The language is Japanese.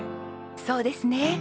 そうですね。